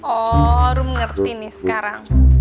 oh baru ngerti nih sekarang